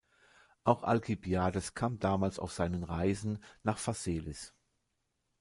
Auch Alkibiades kam damals auf seinen Reisen nach Phaselis.